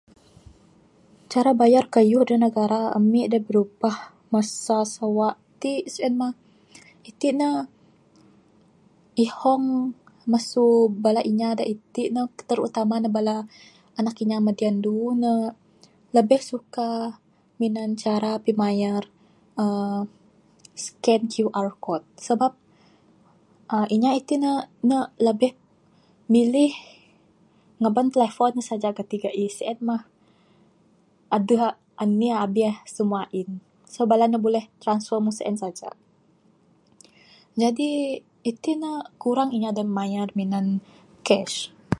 Cara bayar keyuh dak negara ami dak birubah masa sewa t sien mah iti ne ihong mesu bala inya dak iti ne terutama ne bala anak kinya madi andu ne lebih suka minan cara pimayar uhh scan QR code. Sabab uhh inya iti ne, ne lebih milih ngeban telefon saja geti geih sien mah adeh abih abih semua in. So bala ne boleh transfer mung sien saja, jadi iti ne kurang inya dak mayar minan cash.